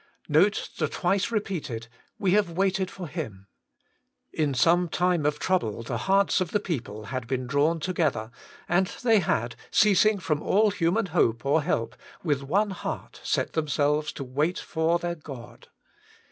Note the tmce repeated, * We have waited for Him.' In some time of trouble the hearts of the people had been drawn together, and they had, ceasing from all human hope or help, with one 90 WAITING ON GOD heart set themselves to wait for their God.